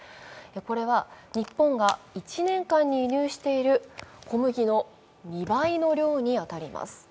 これは、日本が１年間に輸入している小麦の２倍の量に当たります。